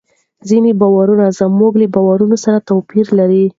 ځینې باورونه زموږ له باورونو سره توپیر لري.